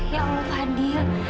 ya allah fadil